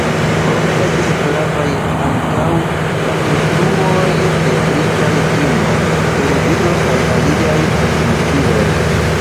Krome estis gravaj ankaŭ la influoj de britaj kino, televido kaj aliaj komunikiloj.